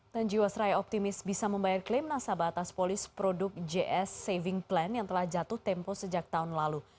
dan jiwasraya optimis bisa membayar klaim nasabah atas polis produk js saving plan yang telah jatuh tempo sejak tahun lalu